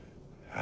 あ。